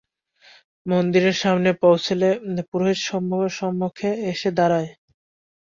মন্দিরের সামনে পৌঁছলে পুরোহিত সম্মুখে এসে দাঁড়ায়।